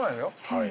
はい。